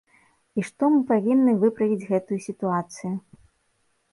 І што мы павінны выправіць гэтую сітуацыю.